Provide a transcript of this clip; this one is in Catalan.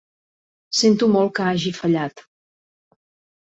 Sento molt que hagi fallat.